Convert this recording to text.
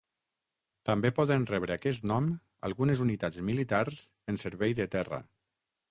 També poden rebre aquest nom algunes unitats militars en servei de terra.